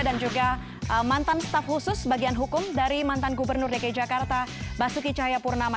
dan juga mantan staf khusus bagian hukum dari mantan gubernur dki jakarta basuki cahayapurnama